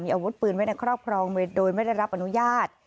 อาวุธปืนไว้ในครอบครองโดยไม่ได้รับอนุญาต